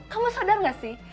kamu sadar gak sih